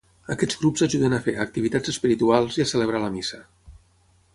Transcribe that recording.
Aquests grups ajuden a fer activitats espirituals i a celebrar la missa.